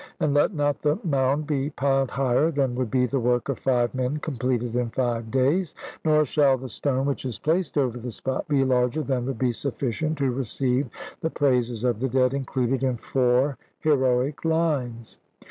And let not the mound be piled higher than would be the work of five men completed in five days; nor shall the stone which is placed over the spot be larger than would be sufficient to receive the praises of the dead included in four heroic lines.